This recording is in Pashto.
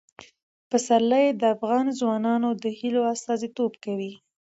پسرلی د افغان ځوانانو د هیلو استازیتوب کوي.